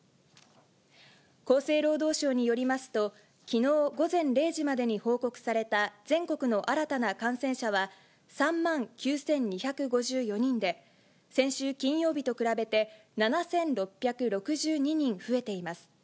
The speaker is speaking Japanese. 厚生労働省によりますと、きのう午前０時までに報告された全国の新たな感染者は３万９２５４人で、先週金曜日と比べて、７６６２人増えています。